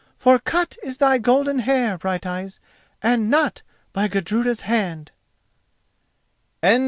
For cut is thy golden hair, Brighteyes, and not by Gudruda's hand!"